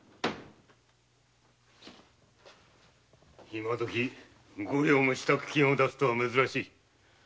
今どき五両も支度金を出すとは珍しい。